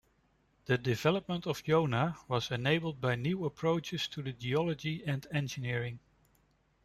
The development of Jonah was enabled by new approaches to the geology and engineering.